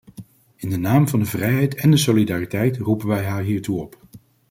In de naam van de vrijheid en de solidariteit roepen wij haar hiertoe op.